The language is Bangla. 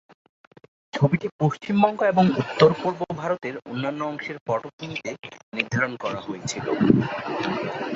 ছবিটি পশ্চিমবঙ্গ এবং উত্তর-পূর্ব ভারতের অন্যান্য অংশের পটভূমিতে নির্ধারণ করা হয়েছিল।